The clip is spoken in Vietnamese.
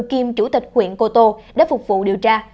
kiêm chủ tịch huyện cô tô để phục vụ điều tra